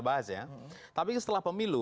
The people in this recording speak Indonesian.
bahas ya tapi setelah pemilu